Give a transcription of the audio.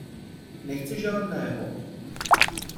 Nechci žádného!